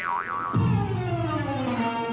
ในวันนี้ก็เป็นการประเดิมถ่ายเพลงแรก